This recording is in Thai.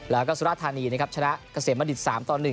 แล้วก็สุราธานีนะครับชนะเกษตรมดิต๓๑